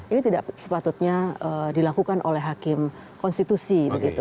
ini tidak sepatutnya dilakukan oleh hakim konstitusi